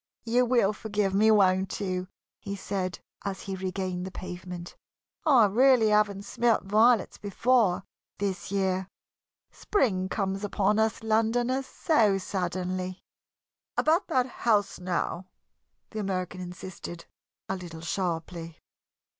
"You will forgive me, won't you?" he said, as he regained the pavement. "I really haven't smelt violets before this year. Spring comes upon us Londoners so suddenly." "About that house, now," the American insisted, a little sharply.